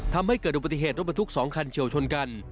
ทำให้เกิดอุบัติเหตุรถบรรทุก๒คันเฉียวชนกัน